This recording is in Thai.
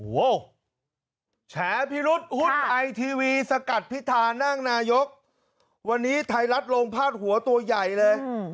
โอ้โหแฉพิรุษหุ้นไอทีวีสกัดพิธานั่งนายกวันนี้ไทยรัฐลงพาดหัวตัวใหญ่เลย